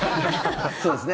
そうですね。